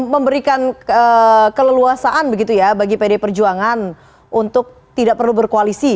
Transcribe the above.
memberikan keleluasaan begitu ya bagi pd perjuangan untuk tidak perlu berkoalisi